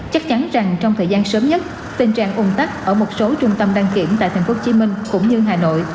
chắc chắn rằng trong thời gian sớm nhất tình trạng ủng tắc ở một số trung tâm đăng kiểm tại tp hcm cũng như hà nội